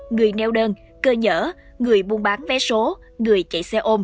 người neo đơn cơ nhở người buôn bán vé số người chạy xe ôm